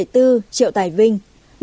một trăm bảy mươi bốn triệu tài vinh